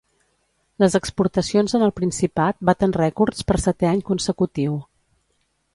Les exportacions en el Principat baten rècords per setè any consecutiu.